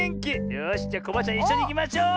よしじゃあコバアちゃんいっしょにいきましょう！